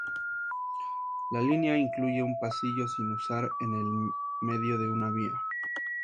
La línea incluye un pasillo sin usar en el medio de una vía.